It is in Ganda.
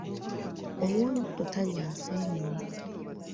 Ow’olubuto talya nseenene.